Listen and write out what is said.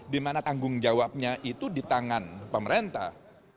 di mana tanggung jawabnya itu di tangan pemerintah